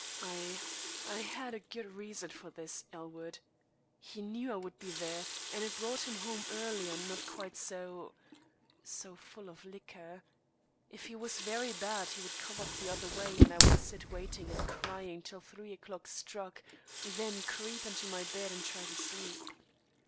I I had a good reason for this, Elwood. He knew I would be there, and it brought him home earlier and not quite so so full of liquor. If he was very bad, he would come up the other way and I would sit waiting and crying till three o'clock struck, then creep into my bed and try to sleep.